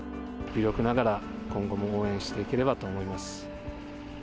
微力ながら今後も応援していければと思います。